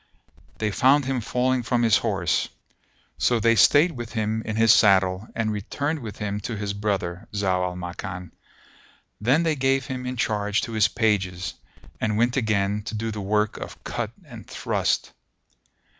They found him falling from his horse; so they stayed him in his saddle and returned with him to his brother, Zau al Makan; then they gave him in charge to his pages, and went again to do the work of cut and thrust.